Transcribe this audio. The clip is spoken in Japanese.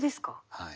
はい。